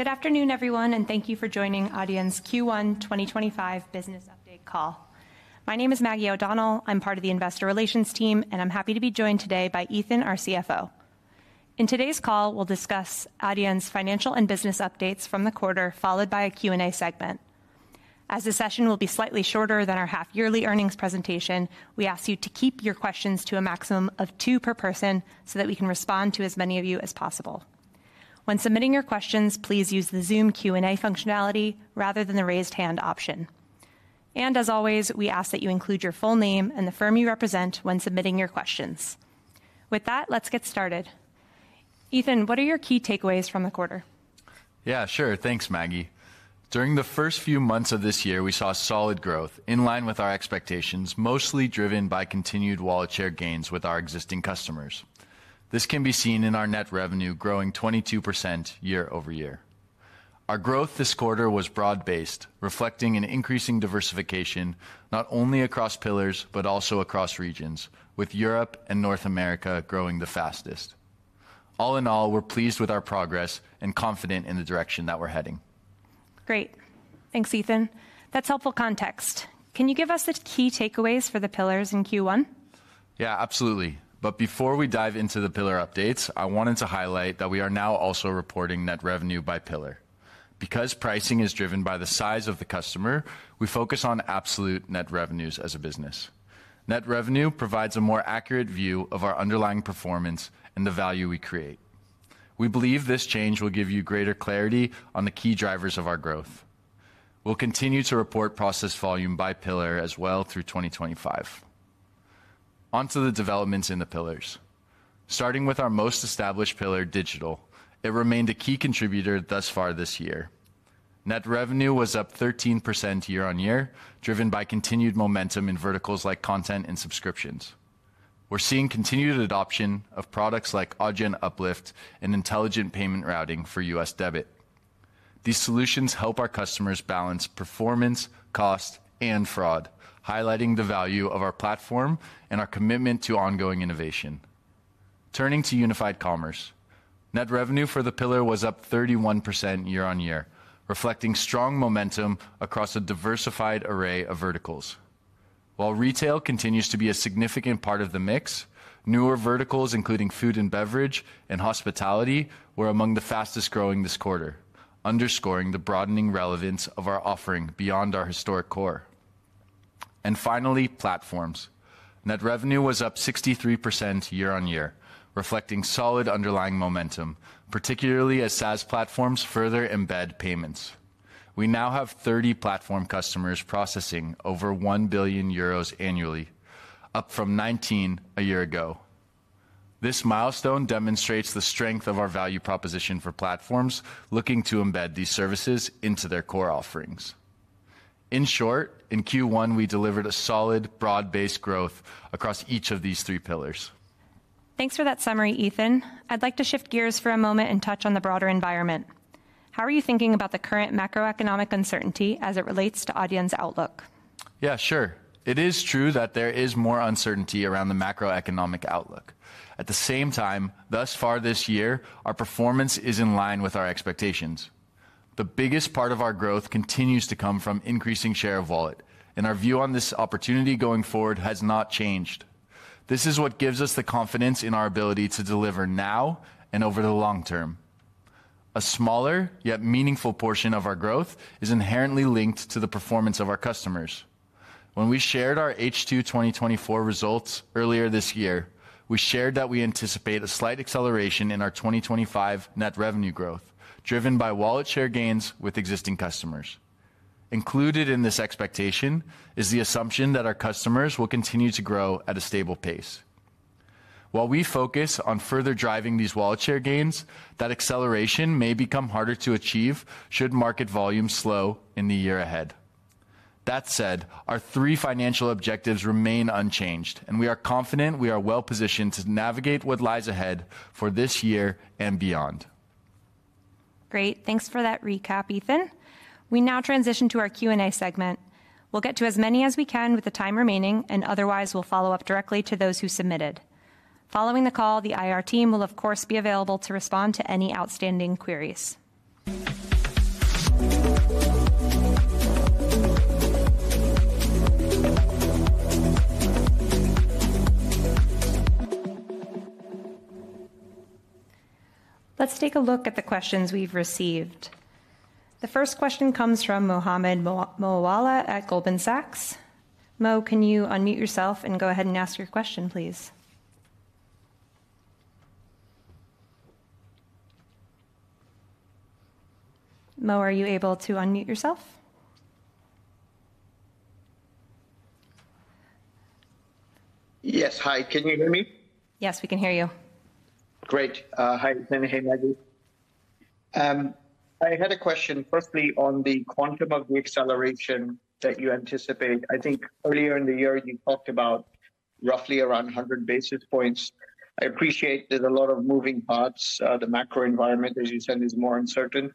Good afternoon, everyone, and thank you for joining Adyen's Q1 2025 Business Update call. My name is Maggie O'Donnell. I'm part of the Investor Relations team, and I'm happy to be joined today by Ethan, our CFO. In today's call, we'll discuss Adyen's Financial and Business Updates from the quarter, followed by a Q&A segment. As the session will be slightly shorter than our half-yearly earnings presentation, we ask you to keep your questions to a maximum of two per person so that we can respond to as many of you as possible. When submitting your questions, please use the Zoom Q&A functionality rather than the raised hand option. As always, we ask that you include your full name and the firm you represent when submitting your questions. With that, let's get started. Ethan, what are your key takeaways from the quarter? Yeah, sure. Thanks, Maggie. During the first few months of this year, we saw solid growth in line with our expectations, mostly driven by continued wallet share gains with our existing customers. This can be seen in our net revenue growing 22% year-over-year. Our growth this quarter was broad-based, reflecting an increasing diversification not only across pillars, but also across regions, with Europe and North America growing the fastest. All in all, we're pleased with our progress and confident in the direction that we're heading. Great. Thanks, Ethan. That's helpful context. Can you give us the key takeaways for the pillars in Q1? Yeah, absolutely. Before we dive into the pillar updates, I wanted to highlight that we are now also reporting net revenue by pillar. Because pricing is driven by the size of the customer, we focus on absolute net revenues as a business. Net revenue provides a more accurate view of our underlying performance and the value we create. We believe this change will give you greater clarity on the key drivers of our growth. We'll continue to report processed volume by pillar as well through 2025. Onto the developments in the pillars. Starting with our most established pillar Digital, it remained a key contributor thus far this year. Net revenue was up 13% year-on-year, driven by continued momentum in verticals like content and subscriptions. We're seeing continued adoption of products like Adyen Uplift and Intelligent Payment Routing for U.S. debit. These solutions help our customers balance performance, cost, and fraud, highlighting the value of our platform and our commitment to ongoing innovation. Turning to Unified Commerce, net revenue for the pillar was up 31% year-on-year, reflecting strong momentum across a diversified array of verticals. While retail continues to be a significant part of the mix, newer verticals, including food and beverage and hospitality, were among the fastest growing this quarter, underscoring the broadening relevance of our offering beyond our historic core. Finally, Platforms. Net revenue was up 63% year-on-year, reflecting solid underlying momentum, particularly as SaaS platforms further embed payments. We now have 30 platform customers processing over 1 billion euros annually, up from 19 a year ago. This milestone demonstrates the strength of our value proposition for platforms looking to embed these services into their core offerings. In short, in Q1, we delivered a solid, broad-based growth across each of these three pillars. Thanks for that summary, Ethan. I'd like to shift gears for a moment and touch on the broader environment. How are you thinking about the current macroeconomic uncertainty as it relates to Adyen's outlook? Yeah, sure. It is true that there is more uncertainty around the macroeconomic outlook. At the same time, thus far this year, our performance is in line with our expectations. The biggest part of our growth continues to come from increasing share of wallet, and our view on this opportunity going forward has not changed. This is what gives us the confidence in our ability to deliver now and over the long term. A smaller, yet meaningful portion of our growth is inherently linked to the performance of our customers. When we shared our H2 2024 results earlier this year, we shared that we anticipate a slight acceleration in our 2025 net revenue growth, driven by wallet share gains with existing customers. Included in this expectation is the assumption that our customers will continue to grow at a stable pace. While we focus on further driving these wallet share gains, that acceleration may become harder to achieve should market volumes slow in the year ahead. That said, our three financial objectives remain unchanged, and we are confident we are well positioned to navigate what lies ahead for this year and beyond. Great. Thanks for that recap, Ethan. We now transition to our Q&A segment. We'll get to as many as we can with the time remaining, and otherwise we'll follow up directly to those who submitted. Following the call, the IR team will, of course, be available to respond to any outstanding queries. Let's take a look at the questions we've received. The first question comes from Mohammed Moawalla at Goldman Sachs. Mo, can you unmute yourself and go ahead and ask your question, please? Mo, are you able to unmute yourself? Yes. Hi. Can you hear me? Yes, we can hear you. Great. Hi, Ethan. Hey, Maggie. I had a question, firstly, on the quantum of the acceleration that you anticipate. I think earlier in the year you talked about roughly around 100 basis points. I appreciate there's a lot of moving parts. The macro environment, as you said, is more uncertain.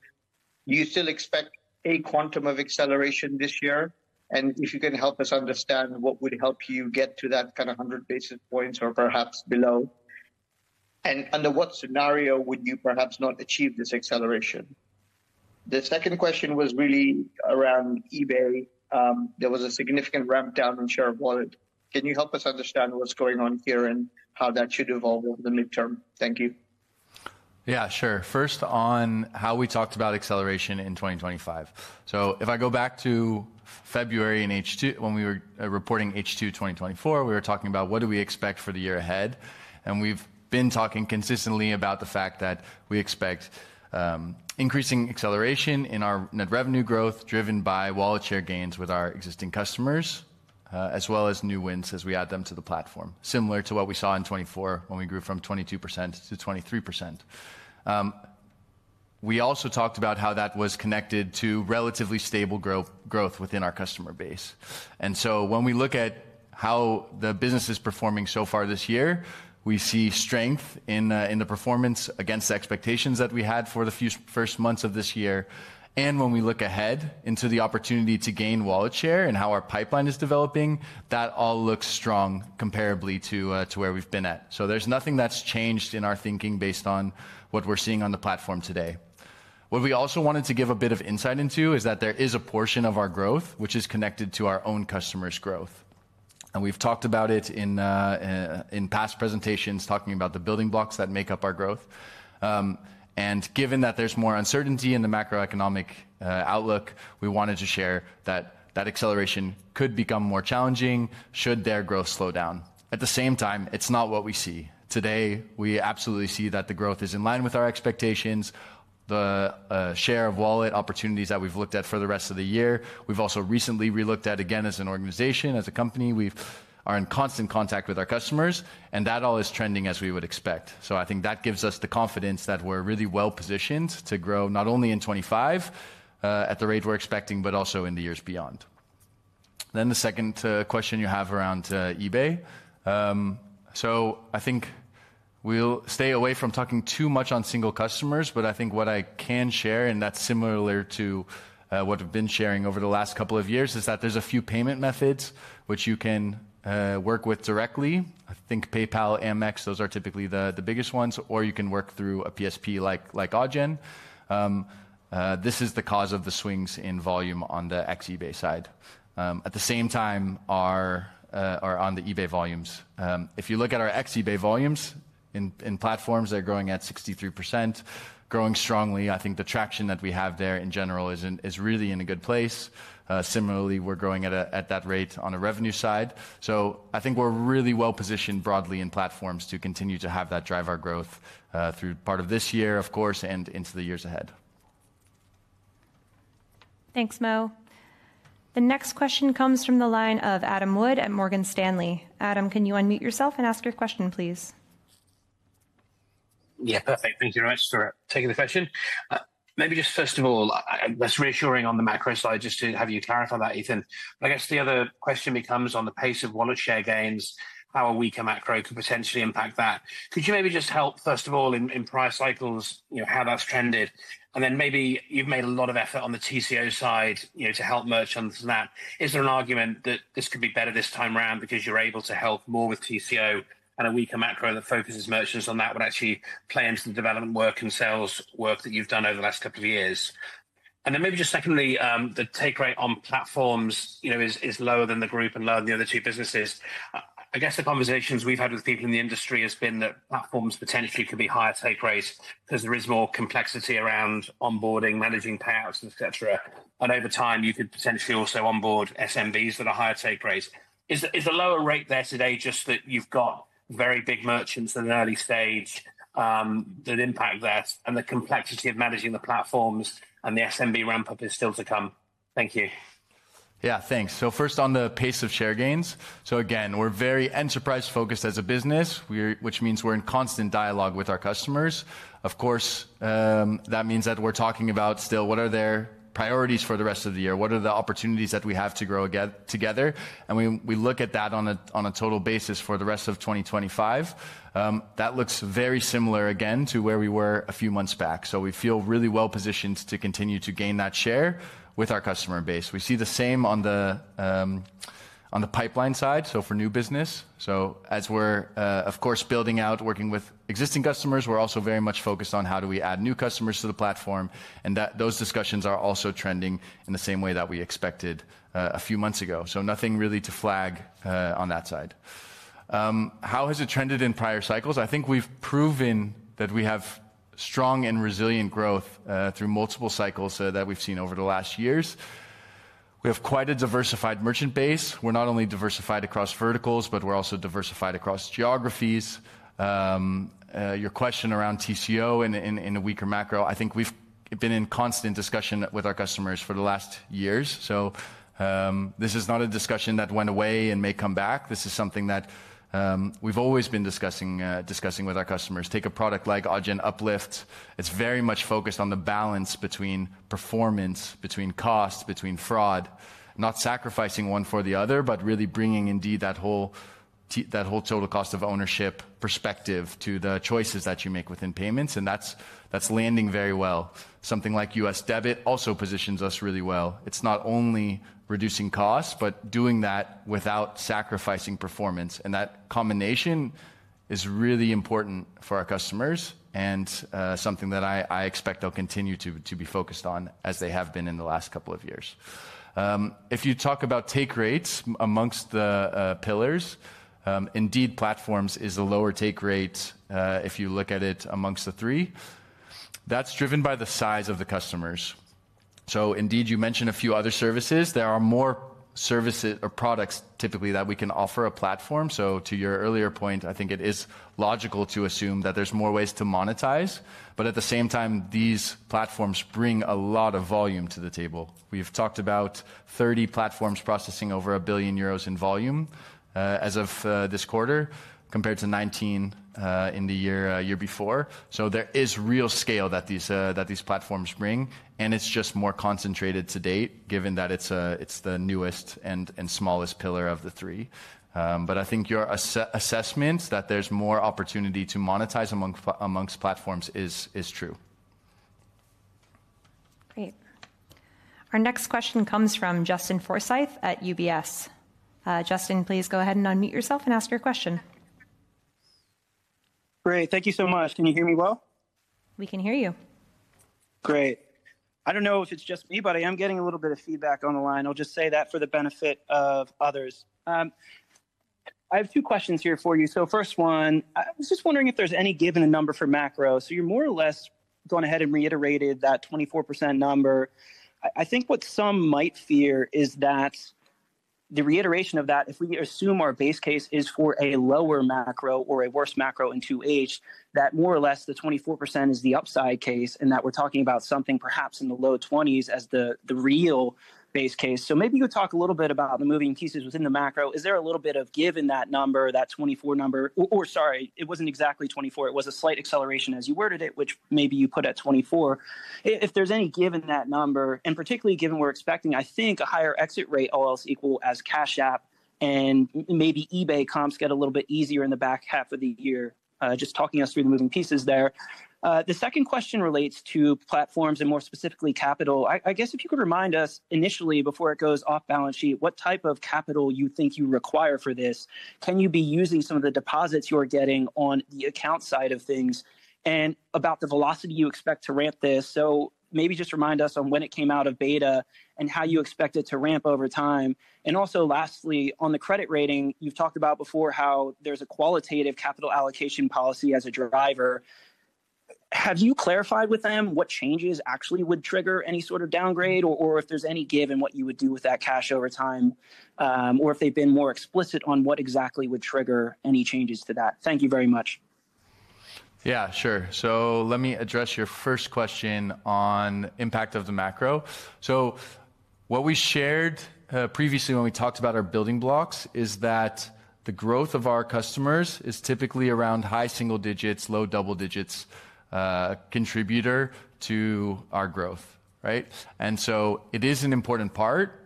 Do you still expect a quantum of acceleration this year? If you can help us understand what would help you get to that kind of 100 basis points or perhaps below, and under what scenario would you perhaps not achieve this acceleration? The second question was really around eBay. There was a significant ramp down in share of wallet. Can you help us understand what's going on here and how that should evolve over the midterm? Thank you. Yeah, sure. First, on how we talked about acceleration in 2025. If I go back to February in H2, when we were reporting H2 2024, we were talking about what do we expect for the year ahead. We have been talking consistently about the fact that we expect increasing acceleration in our net revenue growth driven by wallet share gains with our existing customers, as well as new wins as we add them to the platform, similar to what we saw in 2024 when we grew from 22% to 23%. We also talked about how that was connected to relatively stable growth within our customer base. When we look at how the business is performing so far this year, we see strength in the performance against the expectations that we had for the first months of this year. When we look ahead into the opportunity to gain wallet share and how our pipeline is developing, that all looks strong comparably to where we've been at. There is nothing that's changed in our thinking based on what we're seeing on the platform today. What we also wanted to give a bit of insight into is that there is a portion of our growth which is connected to our own customers' growth. We've talked about it in past presentations talking about the building blocks that make up our growth. Given that there's more uncertainty in the macro-economic outlook, we wanted to share that that acceleration could become more challenging should their growth slow down. At the same time, it's not what we see. Today, we absolutely see that the growth is in line with our expectations. The share of wallet opportunities that we've looked at for the rest of the year, we've also recently relooked at again as an organization, as a company. We are in constant contact with our customers, and that all is trending as we would expect. I think that gives us the confidence that we're really well positioned to grow not only in 2025 at the rate we're expecting, but also in the years beyond. The second question you have around eBay. I think we'll stay away from talking too much on single customers, but I think what I can share, and that's similar to what I've been sharing over the last couple of years, is that there's a few payment methods which you can work with directly. I think PayPal, Amex, those are typically the biggest ones, or you can work through a PSP like Adyen. This is the cause of the swings in volume on the ex-eBay side. At the same time, our on the eBay volumes. If you look at our ex-eBay volumes in Platforms, they're growing at 63%, growing strongly. I think the traction that we have there in general is really in a good place. Similarly, we're growing at that rate on the revenue side. I think we're really well positioned broadly in Platforms to continue to have that drive our growth through part of this year, of course, and into the years ahead. Thanks, Mo. The next question comes from the line of Adam Wood at Morgan Stanley. Adam, can you unmute yourself and ask your question, please? Yeah, perfect. Thank you very much for taking the question. Maybe just first of all, that's reassuring on the macro side just to have you clarify that, Ethan. I guess the other question becomes on the pace of wallet share gains, how a weaker macro could potentially impact that. Could you maybe just help, first of all, in price cycles, how that's trended? Then maybe you've made a lot of effort on the TCO side to help merchants on that. Is there an argument that this could be better this time around because you're able to help more with TCO and a weaker macro that focuses merchants on that would actually play into the development work and sales work that you've done over the last couple of years? Maybe just secondly, the take rate on Platforms is lower than the group and lower than the other two businesses. I guess the conversations we've had with people in the industry has been that Platforms potentially could be higher take rates because there is more complexity around onboarding, managing payouts, et cetera. Over time, you could potentially also onboard SMBs that are higher take rates. Is the lower rate there today just that you've got very big merchants at an early stage that impact that? The complexity of managing the platforms and the SMB ramp-up is still to come. Thank you. Yeah, thanks. First on the pace of share gains. Again, we're very enterprise-focused as a business, which means we're in constant dialogue with our customers. Of course, that means that we're talking about still what are their priorities for the rest of the year, what are the opportunities that we have to grow together. We look at that on a total basis for the rest of 2025. That looks very similar again to where we were a few months back. We feel really well positioned to continue to gain that share with our customer base. We see the same on the pipeline side, for new business. As we're, of course, building out, working with existing customers, we're also very much focused on how do we add new customers to the platform. Those discussions are also trending in the same way that we expected a few months ago. Nothing really to flag on that side. How has it trended in prior cycles? I think we've proven that we have strong and resilient growth through multiple cycles that we've seen over the last years. We have quite a diversified merchant base. We're not only diversified across verticals, but we're also diversified across geographies. Your question around TCO and a weaker macro, I think we've been in constant discussion with our customers for the last years. This is not a discussion that went away and may come back. This is something that we've always been discussing with our customers. Take a product like Adyen Uplift. It's very much focused on the balance between performance, between cost, between fraud, not sacrificing one for the other, but really bringing indeed that whole total cost of ownership perspective to the choices that you make within payments. That's landing very well. Something like U.S. debit also positions us really well. It's not only reducing costs, but doing that without sacrificing performance. That combination is really important for our customers and something that I expect they'll continue to be focused on as they have been in the last couple of years. If you talk about take rates amongst the pillars, indeed, Platforms is a lower take rate if you look at it amongst the three. That's driven by the size of the customers. You mentioned a few other services. There are more services or products typically that we can offer a platform. To your earlier point, I think it is logical to assume that there's more ways to monetize. At the same time, these platforms bring a lot of volume to the table. We've talked about 30 platforms processing over 1 billion euros in volume as of this quarter compared to 19 in the year before. There is real scale that these platforms bring, and it's just more concentrated to date, given that it's the newest and smallest pillar of the three. I think your assessment that there's more opportunity to monetize amongst platforms is true. Great. Our next question comes from Justin Forsythe at UBS. Justin, please go ahead and unmute yourself and ask your question. Great. Thank you so much. Can you hear me well? We can hear you. Great. I do not know if it is just me, but I am getting a little bit of feedback on the line. I will just say that for the benefit of others. I have two questions here for you. First, I was just wondering if there is any given a number for macro. You are more or less going ahead and reiterated that 24% number. I think what some might fear is that the reiteration of that, if we assume our base case is for a lower macro or a worse macro in 2H, that more or less the 24% is the upside case and that we are talking about something perhaps in the low 20s as the real base case. Maybe you could talk a little bit about the moving pieces within the macro. Is there a little bit of give in that number, that 24 number? Sorry, it wasn't exactly 24. It was a slight acceleration as you worded it, which maybe you put at 24. If there's any give in that number, and particularly given we're expecting, I think, a higher exit rate all else equal as Cash App and maybe eBay comps get a little bit easier in the back half of the year, just talking us through the moving pieces there. The second question relates to Platforms and more specifically Capital. I guess if you could remind us initially before it goes off balance sheet, what type of capital you think you require for this? Can you be using some of the deposits you're getting on the account side of things and about the velocity you expect to ramp this? Maybe just remind us on when it came out of beta and how you expect it to ramp over time. Lastly, on the credit rating, you've talked about before how there's a qualitative capital allocation policy as a driver. Have you clarified with them what changes actually would trigger any sort of downgrade or if there's any give in what you would do with that cash over time or if they've been more explicit on what exactly would trigger any changes to that? Thank you very much. Yeah, sure. Let me address your first question on impact of the macro. What we shared previously when we talked about our building blocks is that the growth of our customers is typically around high single digits, low double digits contributor to our growth, right? It is an important part,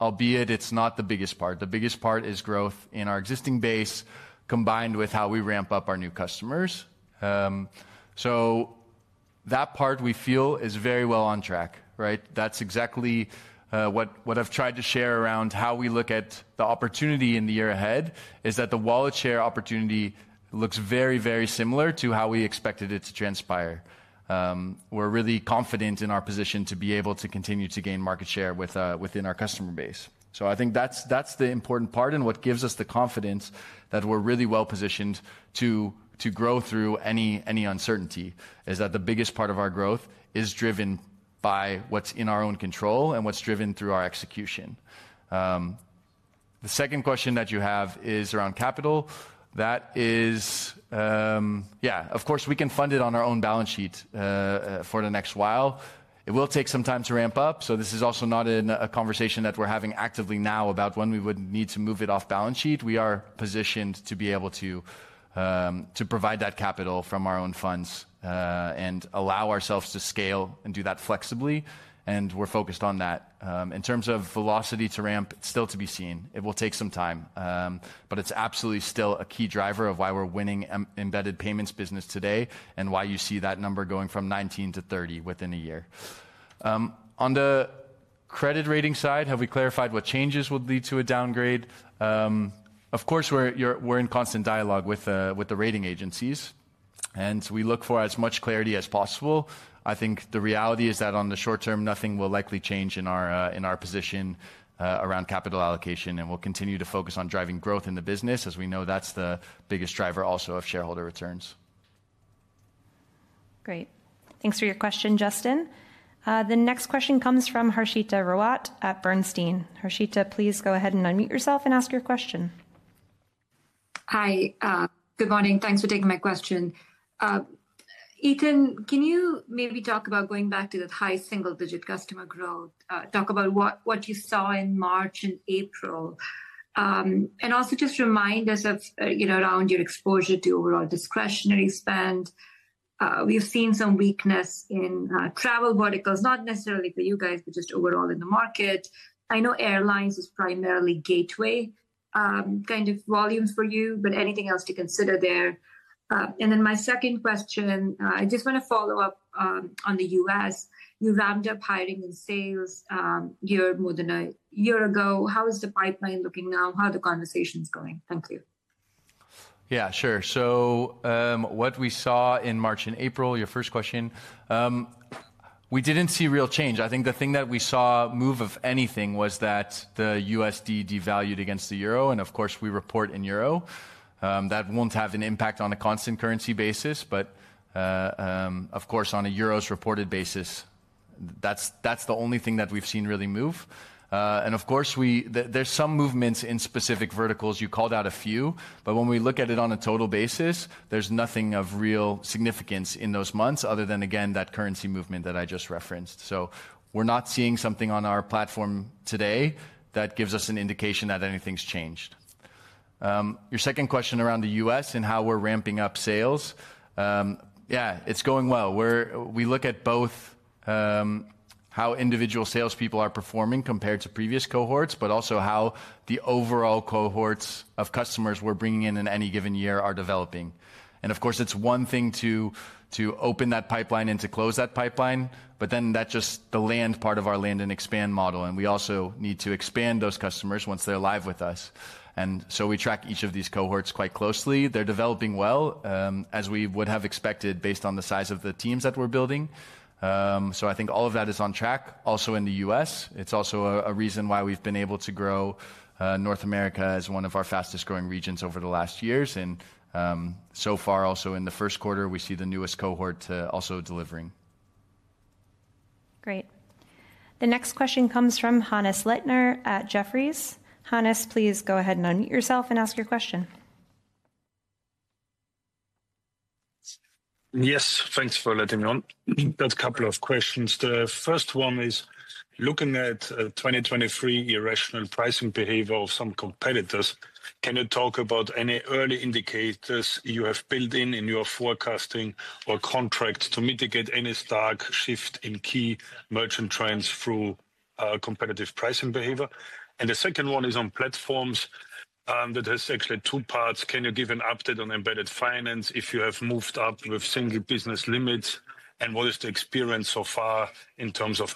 albeit it's not the biggest part. The biggest part is growth in our existing base combined with how we ramp up our new customers. That part we feel is very well on track, right? That's exactly what I've tried to share around how we look at the opportunity in the year ahead is that the wallet share opportunity looks very, very similar to how we expected it to transpire. We're really confident in our position to be able to continue to gain market share within our customer base. I think that's the important part and what gives us the confidence that we're really well positioned to grow through any uncertainty is that the biggest part of our growth is driven by what's in our own control and what's driven through our execution. The second question that you have is around Capital. That is, yeah, of course, we can fund it on our own balance sheet for the next while. It will take some time to ramp up. This is also not a conversation that we're having actively now about when we would need to move it off balance sheet. We are positioned to be able to provide that capital from our own funds and allow ourselves to scale and do that flexibly. We're focused on that. In terms of velocity to ramp, it's still to be seen. It will take some time, but it's absolutely still a key driver of why we're winning embedded payments business today and why you see that number going from 19 to 30 within a year. On the credit rating side, have we clarified what changes will lead to a downgrade? Of course, we're in constant dialogue with the rating agencies, and we look for as much clarity as possible. I think the reality is that on the short term, nothing will likely change in our position around capital allocation, and we'll continue to focus on driving growth in the business as we know that's the biggest driver also of shareholder returns. Great. Thanks for your question, Justin. The next question comes from Harshita Rawat at Bernstein. Harshita, please go ahead and unmute yourself and ask your question. Hi, good morning. Thanks for taking my question. Ethan, can you maybe talk about going back to the high single digit customer growth, talk about what you saw in March and April, and also just remind us around your exposure to overall discretionary spend? We've seen some weakness in travel verticals, not necessarily for you guys, but just overall in the market. I know airlines is primarily gateway kind of volume for you, but anything else to consider there? My second question, I just want to follow up on the U.S. You ramped up hiring and sales here more than a year ago. How is the pipeline looking now? How are the conversations going? Thank you. Yeah, sure. What we saw in March and April, your first question, we didn't see real change. I think the thing that we saw move, if anything, was that the USD devalued against the Euro. Of course, we report in Euro. That won't have an impact on a constant currency basis, but on a Euro reported basis, that's the only thing that we've seen really move. There are some movements in specific verticals. You called out a few, but when we look at it on a total basis, there's nothing of real significance in those months other than, again, that currency movement that I just referenced. We're not seeing something on our platform today that gives us an indication that anything's changed. Your second question around the U.S. and how we're ramping up sales. Yeah, it's going well. We look at both how individual salespeople are performing compared to previous cohorts, but also how the overall cohorts of customers we're bringing in in any given year are developing. Of course, it's one thing to open that pipeline and to close that pipeline, but then that's just the land part of our land and expand model. We also need to expand those customers once they're live with us. We track each of these cohorts quite closely. They're developing well as we would have expected based on the size of the teams that we're building. I think all of that is on track. Also in the U.S., it's also a reason why we've been able to grow North America as one of our fastest growing regions over the last years. So far, also in the first quarter, we see the newest cohort also delivering. Great. The next question comes from Hannes Leitner at Jefferies. Hannes, please go ahead and unmute yourself and ask your question. Yes, thanks for letting me on. I've got a couple of questions. The first one is looking at 2023 irrational pricing behavior of some competitors. Can you talk about any early indicators you have built in in your forecasting or contract to mitigate any stark shift in key merchant trends through competitive pricing behavior? The second one is on Platforms that has actually two parts. Can you give an update on embedded finance if you have moved up with single business limits? What is the experience so far in terms of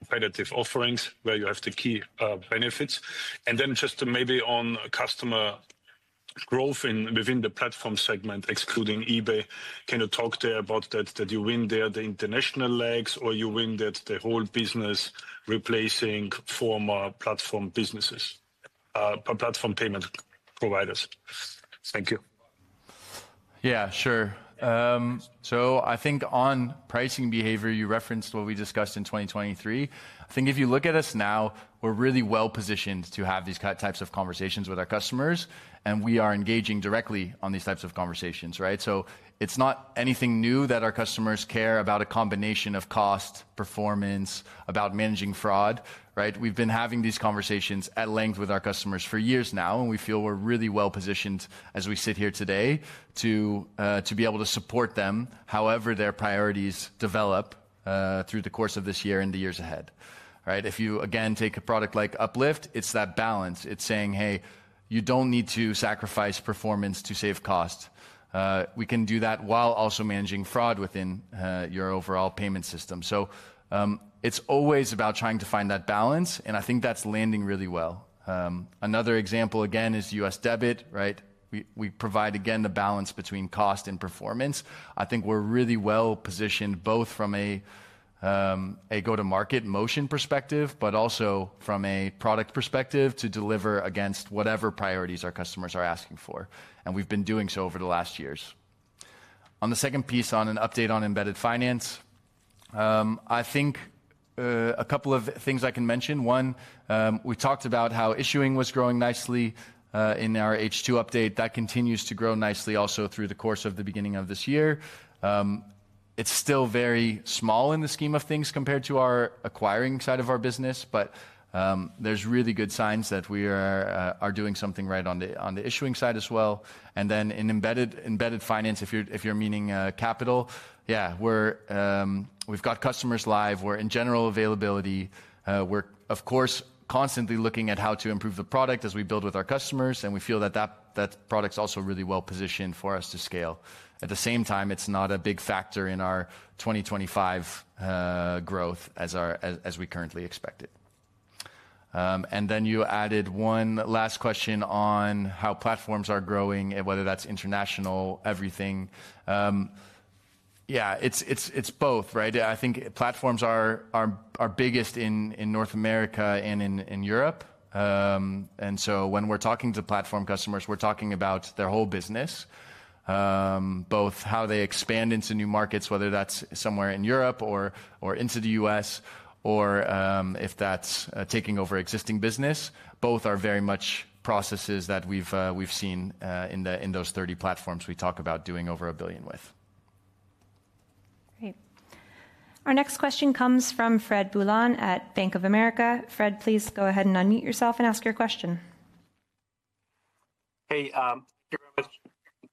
competitive offerings where you have the key benefits? Just maybe on customer growth within the Platforms segment, excluding eBay, can you talk there about that you win there the international legs or you win that the whole business replacing former platform businesses, platform payment providers? Thank you. Yeah, sure. I think on pricing behavior, you referenced what we discussed in 2023. I think if you look at us now, we're really well positioned to have these types of conversations with our customers, and we are engaging directly on these types of conversations, right? It's not anything new that our customers care about a combination of cost, performance, about managing fraud, right? We've been having these conversations at length with our customers for years now, and we feel we're really well positioned as we sit here today to be able to support them however their priorities develop through the course of this year and the years ahead, right? If you again take a product like Uplift, it's that balance. It's saying, hey, you don't need to sacrifice performance to save cost. We can do that while also managing fraud within your overall payment system. It is always about trying to find that balance, and I think that is landing really well. Another example again is U.S. debit, right? We provide again the balance between cost and performance. I think we are really well positioned both from a go-to-market motion perspective, but also from a product perspective to deliver against whatever priorities our customers are asking for. We have been doing so over the last years. On the second piece, on an update on embedded finance, I think a couple of things I can mention. One, we talked about how Issuing was growing nicely in our H2 update. That continues to grow nicely also through the course of the beginning of this year. It is still very small in the scheme of things compared to our acquiring side of our business, but there are really good signs that we are doing something right on the Issuing side as well. In embedded finance, if you're meaning Capital, yeah, we've got customers live. We're in general availability. We're, of course, constantly looking at how to improve the product as we build with our customers, and we feel that that product's also really well positioned for us to scale. At the same time, it's not a big factor in our 2025 growth as we currently expect it. You added one last question on how Platforms are growing, whether that's international, everything. Yeah, it's both, right? I think Platforms are our biggest in North America and in Europe. When we're talking to platform customers, we're talking about their whole business, both how they expand into new markets, whether that's somewhere in Europe or into the U.S., or if that's taking over existing business. Both are very much processes that we've seen in those 30 platforms we talk about doing over a billion with. Great. Our next question comes from Fred Boulan at Bank of America. Fred, please go ahead and unmute yourself and ask your question. Hey, thank you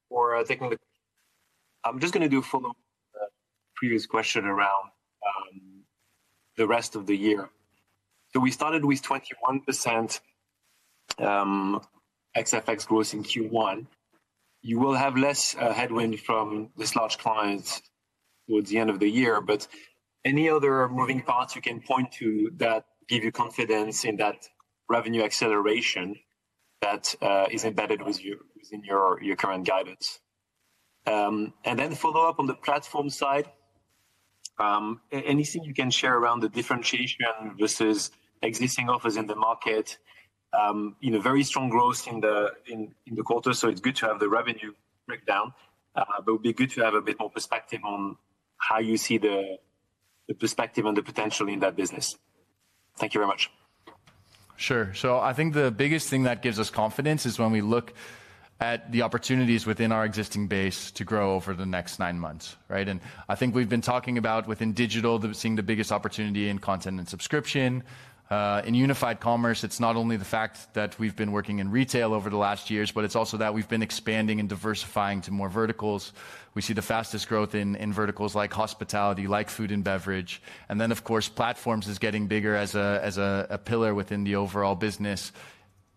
for taking the question. I'm just going to do a follow-up on the previous question around the rest of the year. We started with 21% ex-FX growth in Q1. You will have less headwind from this large client towards the end of the year, but any other moving parts you can point to that give you confidence in that revenue acceleration that is embedded within your current guidance? Then follow-up on the Platforms side, anything you can share around the differentiation versus existing offers in the market? Very strong growth in the quarter, so it's good to have the revenue breakdown, but it would be good to have a bit more perspective on how you see the perspective and the potential in that business. Thank you very much. Sure. I think the biggest thing that gives us confidence is when we look at the opportunities within our existing base to grow over the next nine months, right? I think we've been talking about within digital, seeing the biggest opportunity in content and subscription. In Unified Commerce, it's not only the fact that we've been working in retail over the last years, but it's also that we've been expanding and diversifying to more verticals. We see the fastest growth in verticals like hospitality, like food and beverage. Of course, Platforms is getting bigger as a pillar within the overall business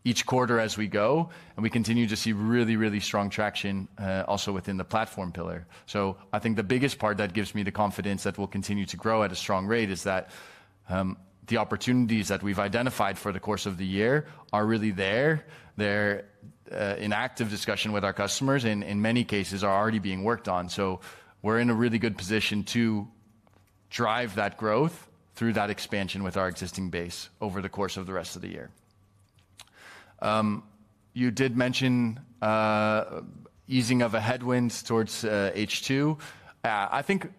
each quarter as we go. We continue to see really, really strong traction also within the Platforms pillar. I think the biggest part that gives me the confidence that we'll continue to grow at a strong rate is that the opportunities that we've identified for the course of the year are really there. They're in active discussion with our customers and in many cases are already being worked on. We're in a really good position to drive that growth through that expansion with our existing base over the course of the rest of the year. You did mention easing of a headwind towards H2. I think,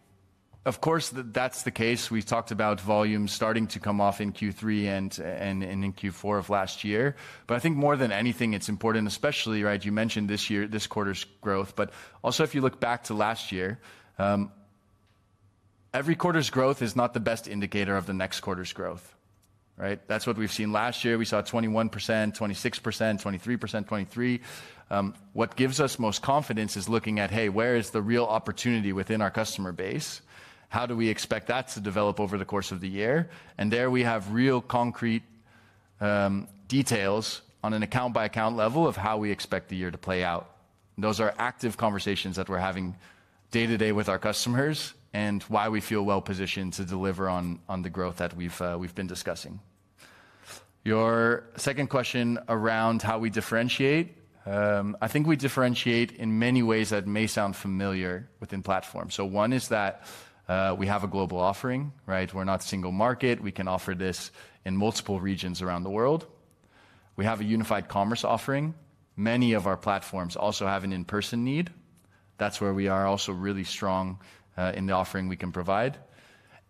of course, that's the case. We've talked about volume starting to come off in Q3 and in Q4 of last year. I think more than anything, it's important, especially, right? You mentioned this quarter's growth, but also if you look back to last year, every quarter's growth is not the best indicator of the next quarter's growth, right? That's what we've seen last year. We saw 21%, 26%, 23%, 23%. What gives us most confidence is looking at, hey, where is the real opportunity within our customer base? How do we expect that to develop over the course of the year? There we have real concrete details on an account-by-account level of how we expect the year to play out. Those are active conversations that we're having day-to-day with our customers and why we feel well positioned to deliver on the growth that we've been discussing. Your second question around how we differentiate, I think we differentiate in many ways that may sound familiar within Platforms. One is that we have a global offering, right? We're not single market. We can offer this in multiple regions around the world. We have a Unified Commerce offering. Many of our Platforms also have an in-person need. That's where we are also really strong in the offering we can provide.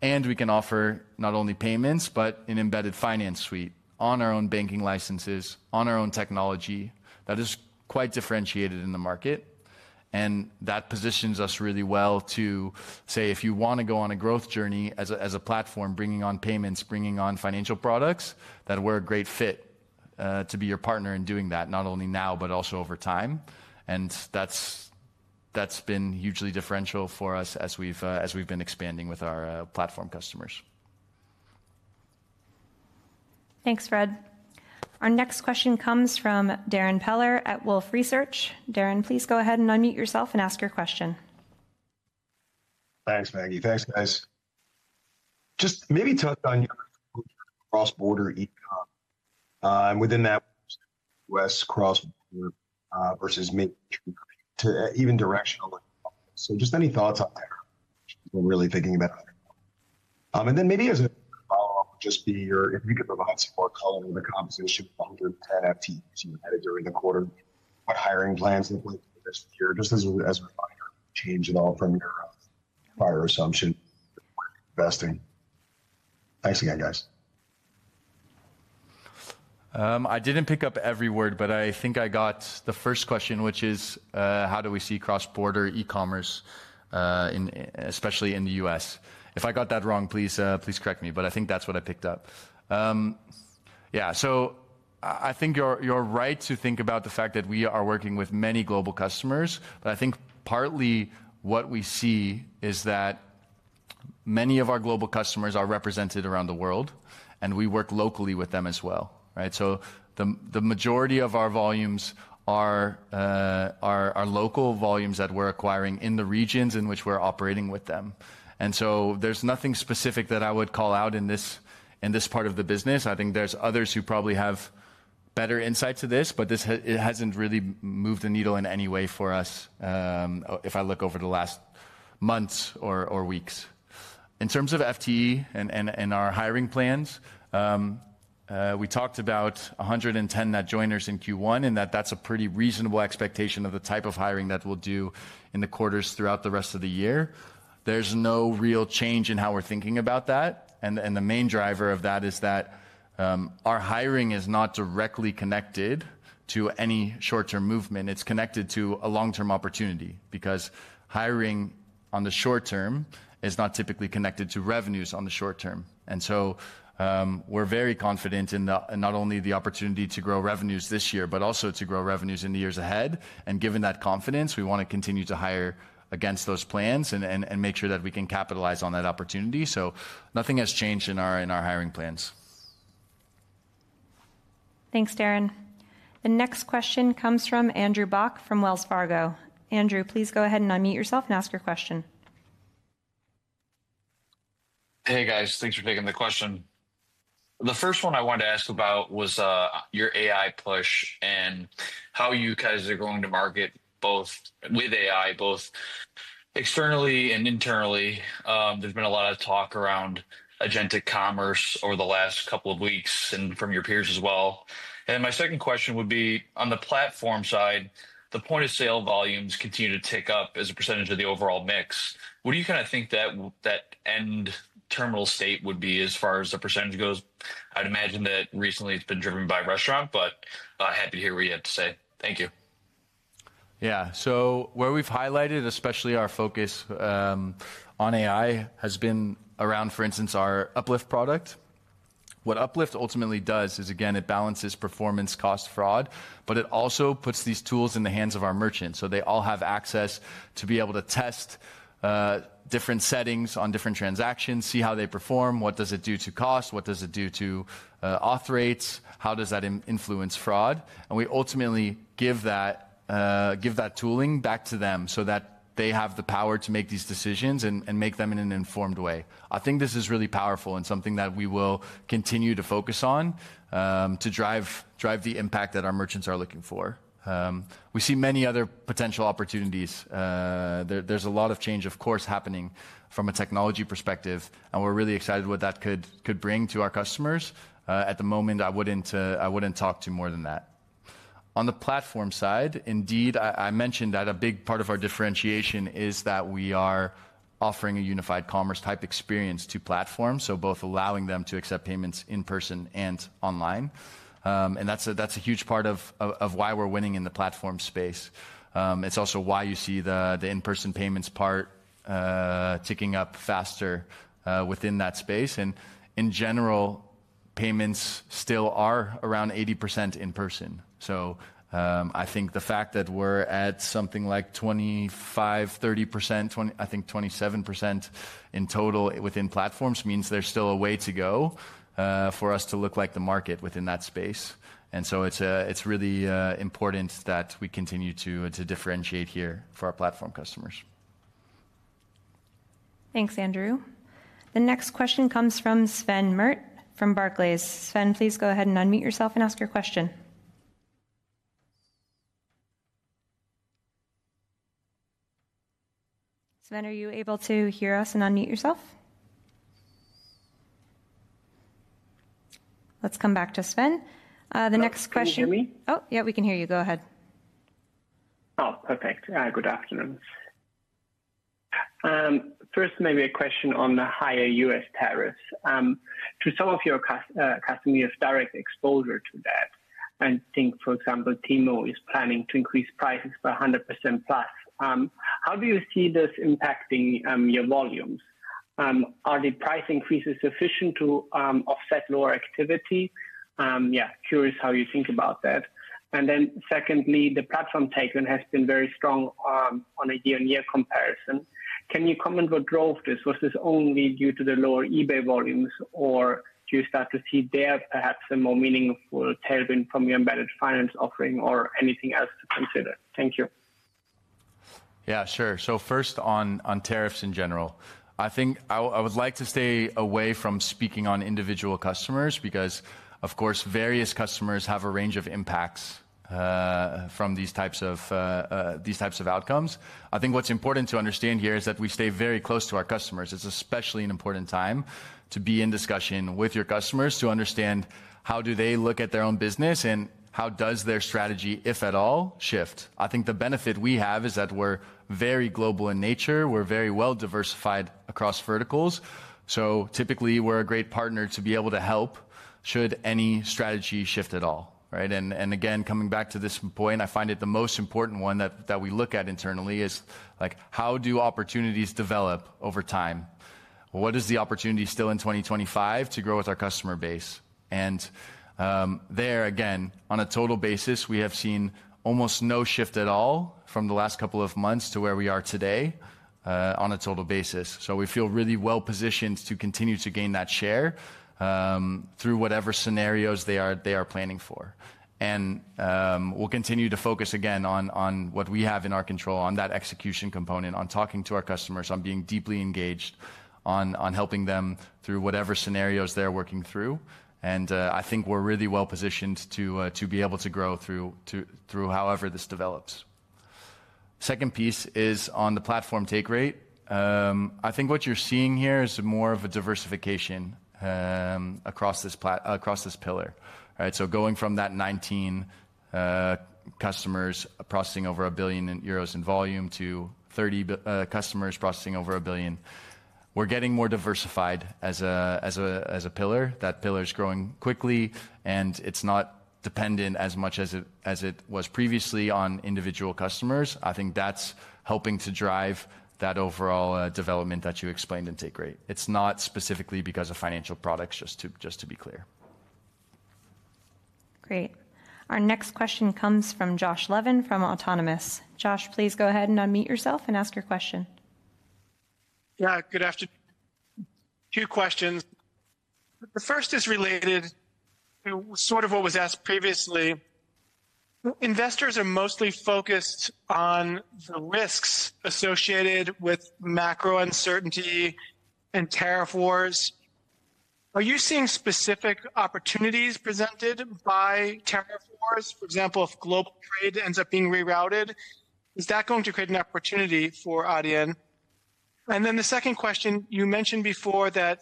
We can offer not only payments, but an embedded finance suite on our own banking licenses, on our own technology that is quite differentiated in the market. That positions us really well to say, if you want to go on a growth journey as a platform bringing on payments, bringing on financial products, that we're a great fit to be your partner in doing that, not only now, but also over time. That's been hugely differential for us as we've been expanding with our platform customers. Thanks, Fred. Our next question comes from Darrin Peller at Wolfe Research. Darren, please go ahead and unmute yourself and ask your question. Thanks, Maggie. Thanks, guys. Just maybe touch on your cross-border e-com within that U.S. cross-border versus maybe even directional economics. Just any thoughts on that? We're really thinking about it. Maybe as a follow-up would just be your, if you could provide some more color on the composition of 110 FTEs you added during the quarter, what hiring plans look like for this year, just as a reminder, change at all from your prior assumption investing. Thanks again, guys. I didn't pick up every word, but I think I got the first question, which is, how do we see cross-border e-commerce, especially in the U.S.? If I got that wrong, please correct me, but I think that's what I picked up. Yeah, I think you're right to think about the fact that we are working with many global customers, but I think partly what we see is that many of our global customers are represented around the world, and we work locally with them as well, right? The majority of our volumes are local volumes that we're acquiring in the regions in which we're operating with them. There's nothing specific that I would call out in this part of the business. I think there's others who probably have better insight to this, but this hasn't really moved the needle in any way for us if I look over the last months or weeks. In terms of FTE and our hiring plans, we talked about 110 net joiners in Q1 and that that's a pretty reasonable expectation of the type of hiring that we'll do in the quarters throughout the rest of the year. There's no real change in how we're thinking about that. The main driver of that is that our hiring is not directly connected to any short-term movement. It's connected to a long-term opportunity because hiring on the short term is not typically connected to revenues on the short term. We are very confident in not only the opportunity to grow revenues this year, but also to grow revenues in the years ahead. Given that confidence, we want to continue to hire against those plans and make sure that we can capitalize on that opportunity. Nothing has changed in our hiring plans. Thanks, Darrin. The next question comes from Andrew Bauch from Wells Fargo. Andrew, please go ahead and unmute yourself and ask your question. Hey, guys. Thanks for taking the question. The first one I wanted to ask about was your AI push and how you guys are going to market both with AI, both externally and internally. There's been a lot of talk around agentic commerce over the last couple of weeks and from your peers as well. My second question would be, on the platform side, the point of sale volumes continue to tick up as a percentage of the overall mix. What do you kind of think that end terminal state would be as far as the percentage goes? I'd imagine that recently it's been driven by restaurant, but happy to hear what you have to say. Thank you. Yeah, so where we've highlighted, especially our focus on AI, has been around, for instance, our Uplift product. What Uplift ultimately does is, again, it balances performance, cost, fraud, but it also puts these tools in the hands of our merchants. So they all have access to be able to test different settings on different transactions, see how they perform, what does it do to cost, what does it do to auth rates, how does that influence fraud? And we ultimately give that tooling back to them so that they have the power to make these decisions and make them in an informed way. I think this is really powerful and something that we will continue to focus on to drive the impact that our merchants are looking for. We see many other potential opportunities. There's a lot of change, of course, happening from a technology perspective, and we're really excited what that could bring to our customers. At the moment, I wouldn't talk too more than that. On the platform side, indeed, I mentioned that a big part of our differentiation is that we are offering a Unified Commerce type experience to Platforms, so both allowing them to accept payments in person and online. That is a huge part of why we're winning in the platform space. It's also why you see the in-person payments part ticking up faster within that space. In general, payments still are around 80% in person. I think the fact that we're at something like 25%-30%, I think 27% in total within Platforms, means there's still a way to go for us to look like the market within that space. It's really important that we continue to differentiate here for our platform customers. Thanks, Andrew. The next question comes from Sven Merkt from Barclays. Sven, please go ahead and unmute yourself and ask your question. Sven, are you able to hear us and unmute yourself? Let's come back to Sven. The next question. Can you hear me? Oh, yeah, we can hear you. Go ahead. Oh, perfect. Good afternoon. First, maybe a question on the higher U.S. tariffs. To some of your customers, direct exposure to that. I think, for example, Temu is planning to increase prices by 100% plus. How do you see this impacting your volumes? Are the price increases sufficient to offset lower activity? Yeah, curious how you think about that. Then secondly, the Platforms take has been very strong on a year-on-year comparison. Can you comment what drove this? Was this only due to the lower eBay volumes, or do you start to see there perhaps a more meaningful tailwind from your embedded finance offering or anything else to consider? Thank you. Yeah, sure. First on tariffs in general, I think I would like to stay away from speaking on individual customers because, of course, various customers have a range of impacts from these types of outcomes. I think what's important to understand here is that we stay very close to our customers. It's especially an important time to be in discussion with your customers to understand how do they look at their own business and how does their strategy, if at all, shift. I think the benefit we have is that we're very global in nature. We're very well diversified across verticals. Typically, we're a great partner to be able to help should any strategy shift at all, right? Again, coming back to this point, I find it the most important one that we look at internally is how do opportunities develop over time? What is the opportunity still in 2025 to grow with our customer base? There, again, on a total basis, we have seen almost no shift at all from the last couple of months to where we are today on a total basis. We feel really well positioned to continue to gain that share through whatever scenarios they are planning for. We will continue to focus again on what we have in our control on that execution component, on talking to our customers, on being deeply engaged, on helping them through whatever scenarios they are working through. I think we are really well positioned to be able to grow through however this develops. Second piece is on the Platforms take rate. I think what you are seeing here is more of a diversification across this pillar, right? Going from that 19 customers processing over 1 billion euros in volume to 30 customers processing over 1 billion, we're getting more diversified as a pillar. That pillar is growing quickly, and it's not dependent as much as it was previously on individual customers. I think that's helping to drive that overall development that you explained in take rate. It's not specifically because of financial products, just to be clear. Great. Our next question comes from Josh Levin from Autonomous. Josh, please go ahead and unmute yourself and ask your question. Yeah, good afternoon. Two questions. The first is related to sort of what was asked previously. Investors are mostly focused on the risks associated with macro uncertainty and tariff wars. Are you seeing specific opportunities presented by tariff wars? For example, if global trade ends up being rerouted, is that going to create an opportunity for Adyen? The second question, you mentioned before that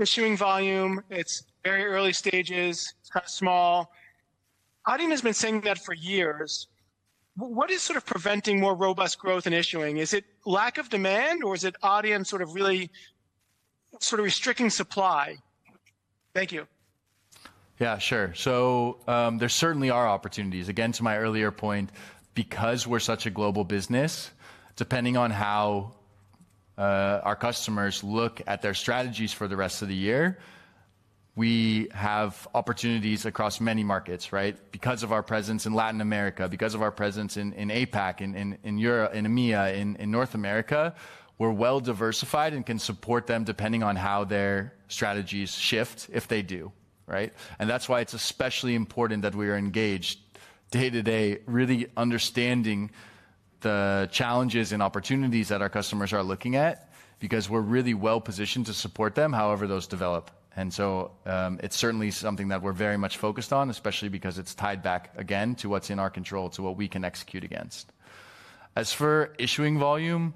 Issuing volume, it's very early stages, it's kind of small. Adyen has been saying that for years. What is sort of preventing more robust growth in Issuing? Is it lack of demand, or is it Adyen sort of really sort of restricting supply? Thank you. Yeah, sure. There certainly are opportunities. Again, to my earlier point, because we're such a global business, depending on how our customers look at their strategies for the rest of the year, we have opportunities across many markets, right? Because of our presence in Latin America, because of our presence in APAC, in Europe, in EMEA, in North America, we're well diversified and can support them depending on how their strategies shift, if they do, right? That's why it's especially important that we are engaged day to day, really understanding the challenges and opportunities that our customers are looking at because we're really well positioned to support them however those develop. It's certainly something that we're very much focused on, especially because it's tied back again to what's in our control, to what we can execute against. As for Issuing volume,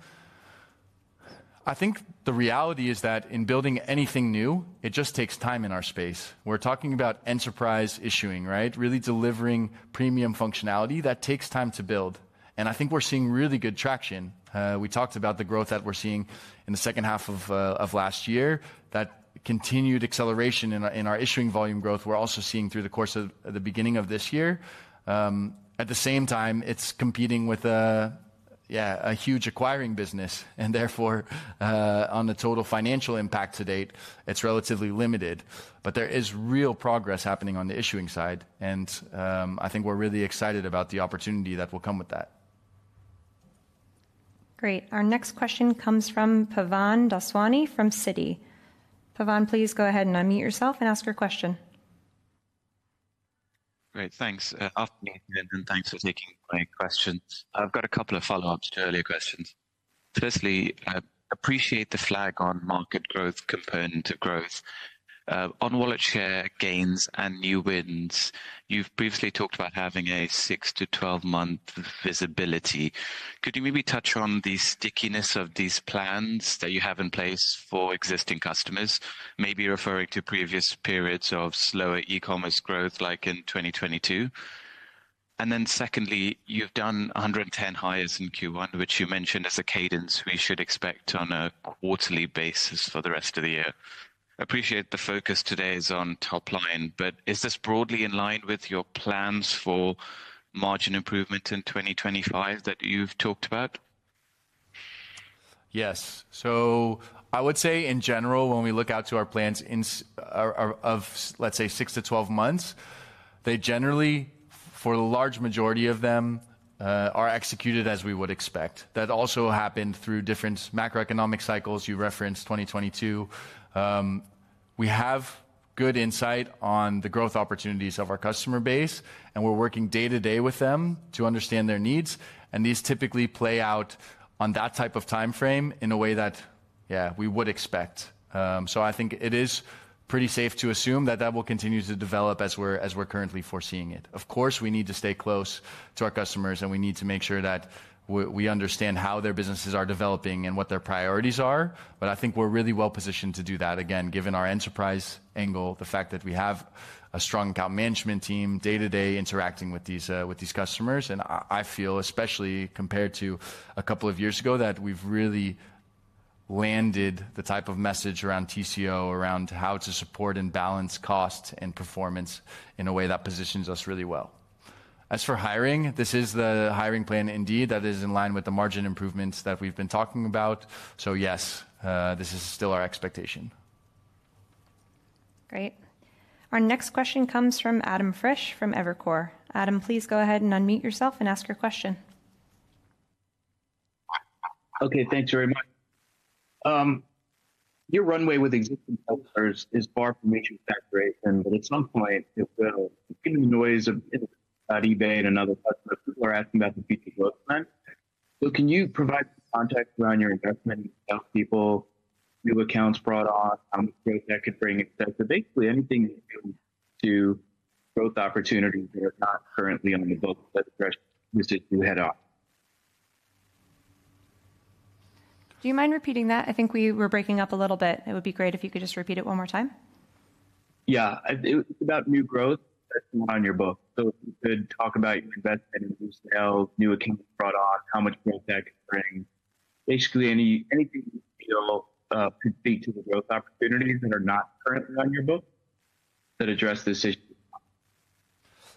I think the reality is that in building anything new, it just takes time in our space. We're talking about Enterprise Issuing, right? Really delivering premium functionality that takes time to build. I think we're seeing really good traction. We talked about the growth that we're seeing in the second half of last year, that continued acceleration in our Issuing volume growth we're also seeing through the course of the beginning of this year. At the same time, it's competing with a huge acquiring business, and therefore, on the total financial impact to date, it's relatively limited, but there is real progress happening on the Issuing side, and I think we're really excited about the opportunity that will come with that. Great. Our next question comes from Pavan Daswani from Citi. Pavan, please go ahead and unmute yourself and ask your question. Great, thanks. Afternoon, and thanks for taking my question. I've got a couple of follow-ups to earlier questions. Firstly, I appreciate the flag on market growth component of growth. On wallet share gains and new wins, you've previously talked about having a 6 month-12 month visibility. Could you maybe touch on the stickiness of these plans that you have in place for existing customers, maybe referring to previous periods of slower e-commerce growth like in 2022? Secondly, you've done 110 hires in Q1, which you mentioned as a cadence we should expect on a quarterly basis for the rest of the year. Appreciate the focus today is on top line, but is this broadly in line with your plans for margin improvement in 2025 that you've talked about? Yes. I would say in general, when we look out to our plans of, let's say, 6 months-12 months, they generally, for the large majority of them, are executed as we would expect. That also happened through different macroeconomic cycles you referenced, 2022. We have good insight on the growth opportunities of our customer base, and we're working day to day with them to understand their needs. These typically play out on that type of timeframe in a way that, yeah, we would expect. I think it is pretty safe to assume that that will continue to develop as we're currently foreseeing it. Of course, we need to stay close to our customers, and we need to make sure that we understand how their businesses are developing and what their priorities are. I think we're really well positioned to do that, again, given our enterprise angle, the fact that we have a strong account management team day to day interacting with these customers. I feel, especially compared to a couple of years ago, that we've really landed the type of message around TCO, around how to support and balance cost and performance in a way that positions us really well. As for hiring, this is the hiring plan indeed that is in line with the margin improvements that we've been talking about. Yes, this is still our expectation. Great. Our next question comes from Adam Frisch from Evercore. Adam, please go ahead and unmute yourself and ask your question. Okay, thanks very much. Your runway with existing customers is far from meeting saturation, but at some point, it will. Given the noise of eBay and other customers, people are asking about the future growth plan. Can you provide some context around your investment in salespeople, new accounts brought on, how much growth that could bring, et cetera? Basically, anything to do with growth opportunities that are not currently on the books that address businesses who head off. Do you mind repeating that? I think we were breaking up a little bit. It would be great if you could just repeat it one more time. Yeah, it's about new growth that's not on your book. If you could talk about your investment in new sales, new accounts brought on, how much growth that could bring. Basically, anything you feel could speak to the growth opportunities that are not currently on your book that address this issue.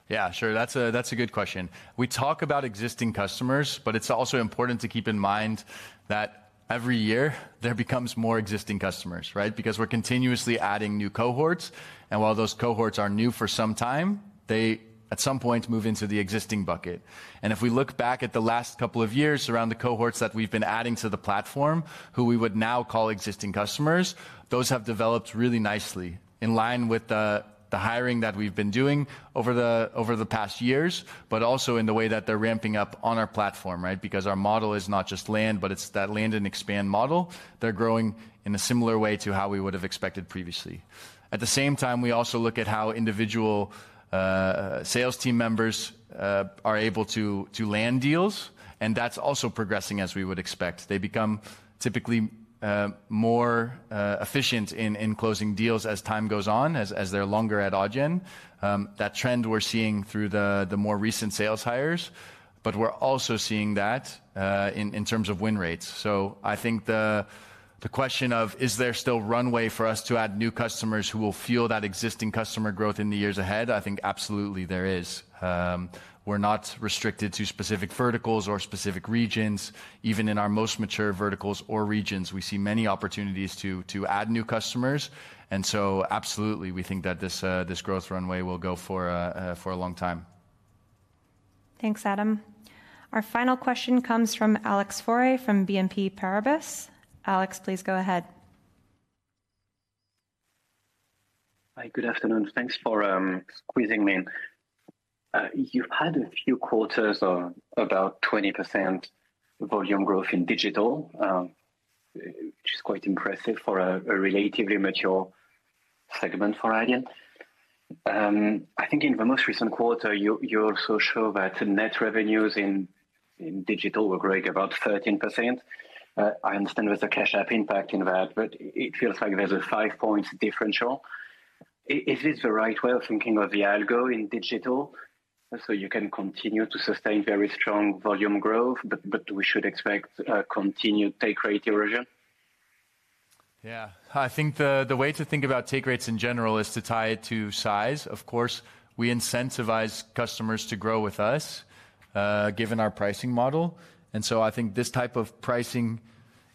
Yeah, sure. That's a good question. We talk about existing customers, but it's also important to keep in mind that every year there becomes more existing customers, right? Because we're continuously adding new cohorts. While those cohorts are new for some time, they at some point move into the existing bucket. If we look back at the last couple of years around the cohorts that we've been adding to the platform, who we would now call existing customers, those have developed really nicely in line with the hiring that we've been doing over the past years, but also in the way that they're ramping up on our platform, right? Because our model is not just land, but it's that land and expand model. They're growing in a similar way to how we would have expected previously. At the same time, we also look at how individual sales team members are able to land deals, and that's also progressing as we would expect. They become typically more efficient in closing deals as time goes on, as they're longer at Adyen. That trend we're seeing through the more recent sales hires, but we're also seeing that in terms of win rates. I think the question of, is there still runway for us to add new customers who will fuel that existing customer growth in the years ahead? I think absolutely there is. We're not restricted to specific verticals or specific regions. Even in our most mature verticals or regions, we see many opportunities to add new customers. Absolutely, we think that this growth runway will go for a long time. Thanks, Adam. Our final question comes from Alex Faure from BNP Paribas. Alex, please go ahead. Hi, good afternoon. Thanks for squeezing me in. You've had a few quarters of about 20% volume growth in digital, which is quite impressive for a relatively mature segment for Adyen. I think in the most recent quarter, you also show that net revenues in digital were growing about 13%. I understand there's a Cash App impact in that, but it feels like there's a five-point differential. Is this the right way of thinking of the algo in digital so you can continue to sustain very strong volume growth, but we should expect continued take rate erosion? Yeah, I think the way to think about take rates in general is to tie it to size. Of course, we incentivize customers to grow with us given our pricing model. I think this type of pricing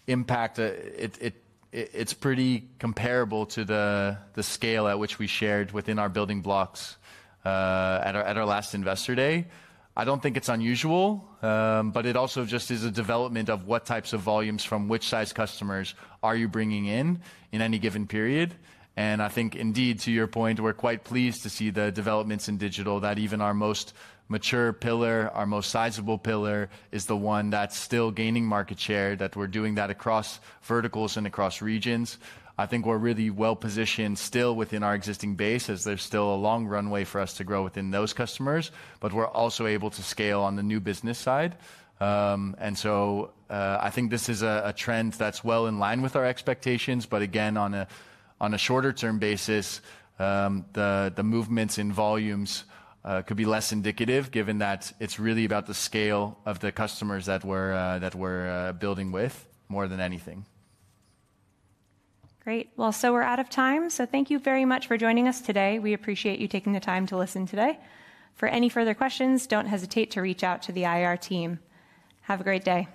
impact is pretty comparable to the scale at which we shared within our building blocks at our last investor day. I do not think it is unusual, but it also just is a development of what types of volumes from which size customers are you bringing in in any given period. I think indeed, to your point, we are quite pleased to see the developments in digital that even our most mature pillar, our most sizable pillar, is the one that is still gaining market share, that we are doing that across verticals and across regions. I think we're really well positioned still within our existing base as there's still a long runway for us to grow within those customers, but we're also able to scale on the new business side. I think this is a trend that's well in line with our expectations, but again, on a shorter-term basis, the movements in volumes could be less indicative given that it's really about the scale of the customers that we're building with more than anything. Great. Well, we are out of time. So thank you very much for joining us today. We appreciate you taking the time to listen today. For any further questions, do not hesitate to reach out to the IR team. Have a great day.